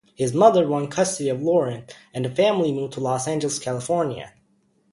His mother won custody of Loren, and the family moved to Los Angeles, California.